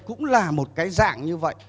cũng là một cái dạng như vậy